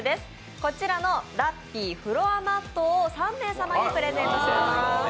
こちらのラッピーフロアマットを３名様にプレゼントします。